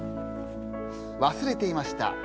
わすれていました。